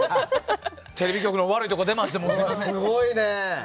テレビ局の悪いところが出ましてすみません。